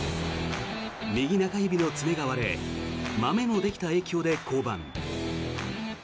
右中指の爪が割れまめもできた影響で降板。